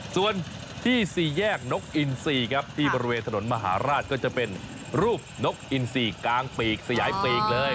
ส่วนที่สี่แยกนกอินซีครับที่บริเวณถนนมหาราชก็จะเป็นรูปนกอินซีกลางปีกสยายปีกเลย